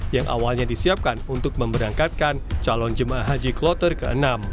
yang awalnya disiapkan untuk memberangkatkan calon jemaah haji kloter ke enam